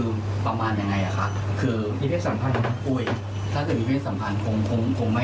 เสพเมถุนก็จะเสพคือไม่มีตรงนั้นหรอกค่ะ